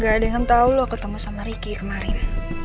gak ada yang tau lo ketemu sama riki kemarin